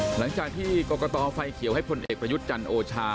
หลังจากที่กรกตไฟเขียวให้พลเอกประยุทธ์จันทร์โอชา